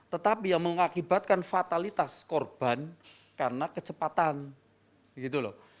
tetapi yang mengakibatkan fatalitas korban karena kecepatan gitu loh